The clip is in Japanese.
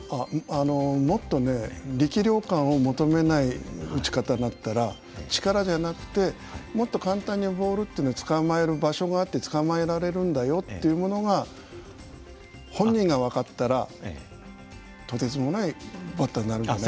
もっとね力量感を求めない打ち方になったら力じゃなくてもっと簡単に放るっていうのをつかまえる場所があってつかまえられるんだよっていうものが本人が分かったらとてつもないバッターになるんじゃないですか？